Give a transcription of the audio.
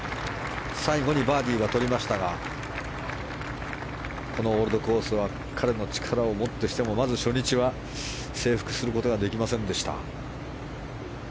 最後にバーディーはとりましたがこのオールドコースは彼の力をもってしてもまず初日は征服することができませんでした。